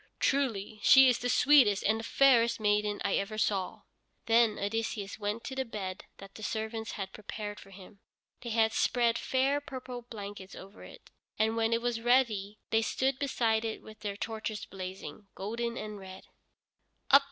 "Truly she is the sweetest and the fairest maiden I ever saw." Then Odysseus went to the bed that the servants had prepared for him. They had spread fair purple blankets over it, and when it was ready they stood beside it with their torches blazing, golden and red.